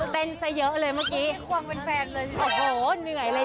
เต้นเซอเยอะเลยเมื่อกี้